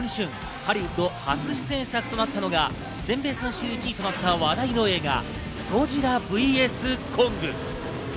ハリウッド初出演作となったのが全米３週１位となった話題の映画、『ゴジラｖｓコング』。